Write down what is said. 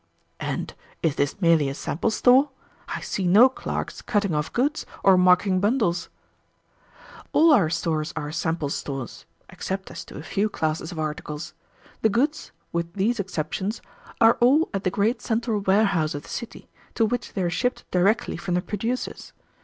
"And is this merely a sample store? I see no clerks cutting off goods or marking bundles." "All our stores are sample stores, except as to a few classes of articles. The goods, with these exceptions, are all at the great central warehouse of the city, to which they are shipped directly from the producers.